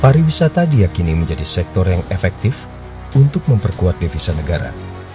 pariwisata diakini menjadi sektor yang efektif untuk memperkuat devisa negara